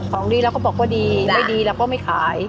ของดีแล้วก็บอกว่าดีแล้วก็ไม่ขาย